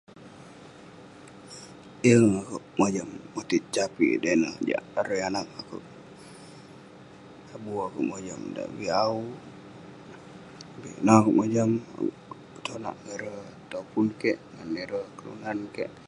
Yeng akouk mojam motit sapik da ineh jak, larui anag akouk..abuh akouk mojam dak, bik awu..bik ineh akouk mojam tenonak ireh topun keik, ngan ireh kelunan keik.